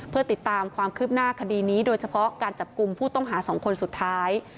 เพื่อติดตามความคืบหน้าคดีนี้โดยเฉพาะการจับกลุ่มผู้ต้องหา๒คนสุดท้าย